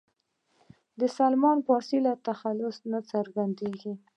د سلمان فارسي له تخلص نه څرګندېږي.